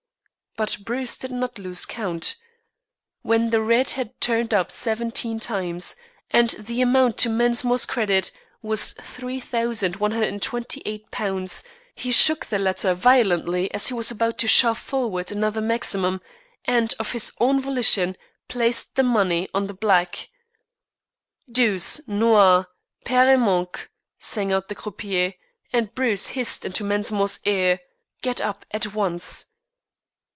But Bruce did not lose count. When the red had turned up seventeen times, and the amount to Mensmore's credit was £3,128, he shook the latter violently as he was about to shove forward another maximum, and, of his own volition, placed the money on the black. "Douze, noir, pair et manque," sang out the croupier, and Bruce hissed into Mensmore's ear: "Get up at once."